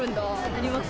あります。